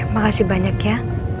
makasih banyak ya